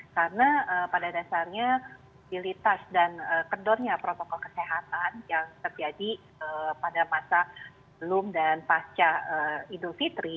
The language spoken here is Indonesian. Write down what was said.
karena pada dasarnya mobilitas dan kedornya protokol kesehatan yang terjadi pada masa belum dan pasca idul fitri